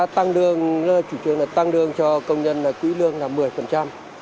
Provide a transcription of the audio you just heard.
tăng lương chủ trương tăng lương cho công nhân quỹ lương là một mươi